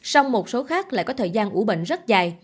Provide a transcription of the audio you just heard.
song một số khác lại có thời gian ủ bệnh rất dài